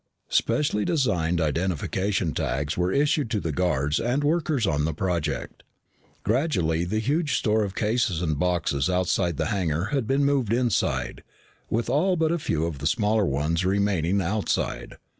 Specially designed identification tags were issued to the guards and workers on the project. Gradually the huge store of cases and boxes outside the hangar had been moved inside, with all but a few of the smaller ones remaining outside.